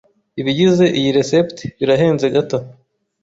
Ibigize iyi resept birahenze gato.